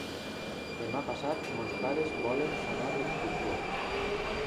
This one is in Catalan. Demà passat mons pares volen anar d'excursió.